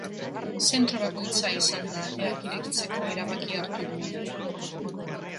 Zentro bakoitza izan da ateak irekitzeko erabakia hartu duena.